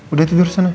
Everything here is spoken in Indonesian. udah tidur sana